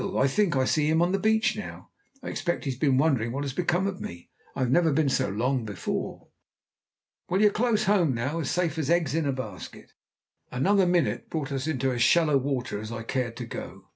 I think I see him on the beach now. I expect he has been wondering what has become of me. I've never been out so long before." "Well, you're close home now, and as safe as eggs in a basket." Another minute brought us into as shallow water as I cared to go.